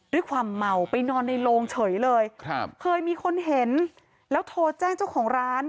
ด้วยความเมาไปนอนในโรงเฉยเลยครับเคยมีคนเห็นแล้วโทรแจ้งเจ้าของร้าน